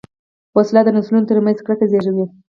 وسله د نسلونو تر منځ کرکه زېږوي